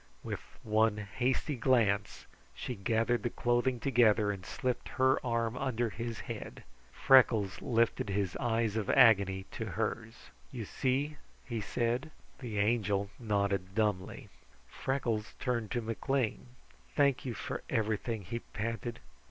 With one hasty glance she gathered the clothing together and slipped her arm under his head. Freckles lifted his eyes of agony to hers. "You see?" he said. The Angel nodded dumbly. Freckles turned to McLean. "Thank you for everything," he panted.